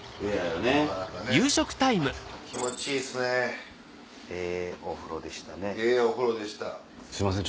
ええお風呂でした。